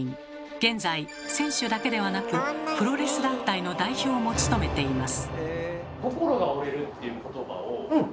現在選手だけではなくプロレス団体の代表も務めています。